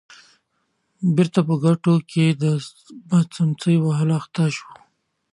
بېرته په کټوې کې په څمڅۍ وهلو اخته شو.